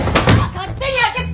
勝手に開けて。